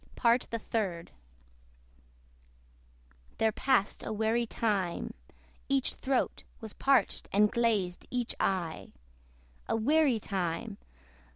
PART THE THIRD. There passed a weary time. Each throat Was parched, and glazed each eye. A weary time!